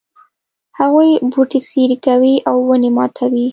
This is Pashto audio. هغوی بوټي څیري کوي او ونې ماتوي